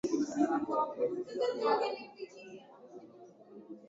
enga kuimarisha ulinzi shajali na kujadili